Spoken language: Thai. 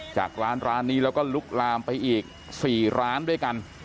จากร้านร้านนี้แล้วก็ลุกลามไปอีก๔ร้านด้วยกัน